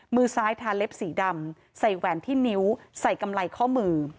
มือซ้ายทาเล็บสีดำใส่แหวนที่นิ้วใส่กำไรข้อมือ